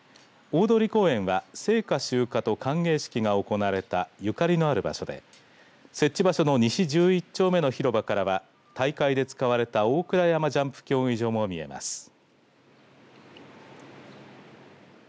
大通公園は聖火集火と歓迎式が行われたゆかりのある場所で設置場所の西１１丁目の広場からは大会で使われた大倉山ジャンプ競技場も見えます。